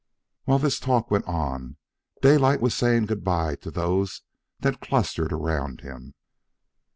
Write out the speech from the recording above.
While this talk went on, Daylight was saying good by to those that clustered around him.